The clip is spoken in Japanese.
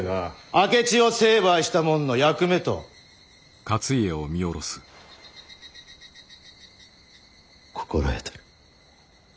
明智を成敗したもんの役目と心得とる。